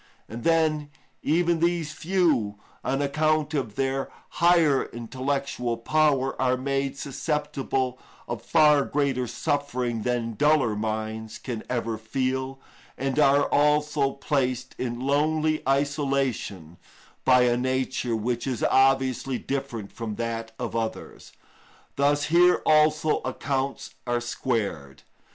And then, even these few, on account of their higher intellectual power, are made susceptible of far greater suffering than duller minds can ever feel, and are also placed in lonely isolation by a nature which is obviously different from that of others; thus here also accounts are squared.